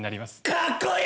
かっこいい！！